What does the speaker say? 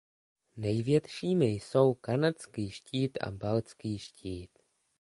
Největšími jsou Kanadský štít a Baltský štít.